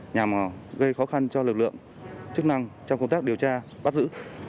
nhằm gây khó khăn cho lực lượng chức năng trong công tác điều tra bắt giữ